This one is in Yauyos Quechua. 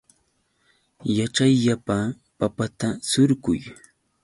Yaćhayllapa papata surquy.